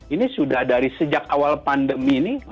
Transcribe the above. ini sudah dari sejak awal pandemi ini